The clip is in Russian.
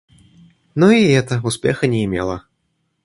Но и это успеха не имело.